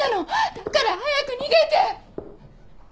だから早く逃げて！